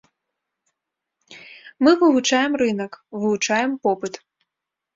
Мы вывучаем рынак, вывучаем попыт.